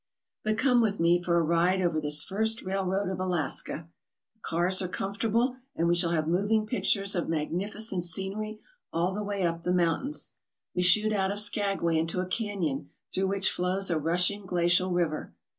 But come with me for a ride over this first railroad of Alaska. The cars are comfortable and we shall have moving pictures of magnificent scenery all the way up the mountains. We shoot out of Skagway into a canyon through which flows a rushing glacial river.